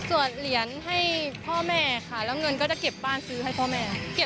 เหรียญให้พ่อแม่ค่ะแล้วเงินก็จะเก็บบ้านซื้อให้พ่อแม่เก็บ